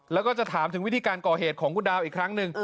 แล้วก็จะถามถึงวิธีการก่อเหตุของคุณดาวอีกครั้งหนึ่ง